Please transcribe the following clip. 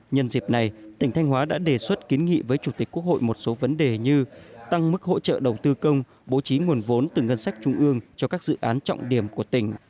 nhân dịp này tỉnh thanh hóa đã đề xuất kiến nghị với chủ tịch quốc hội một số vấn đề như tăng mức hỗ trợ đầu tư công bố trí nguồn vốn từ ngân sách trung ương cho các dự án trọng điểm của tỉnh